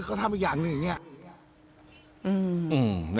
ก็ทำอีกอย่างหนึ่งอย่างนี้